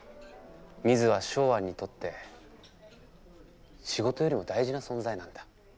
ミズはショウアンにとって仕事よりも大事な存在なんだ。